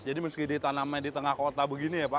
jadi meski ditanamnya di tengah kota begini ya pak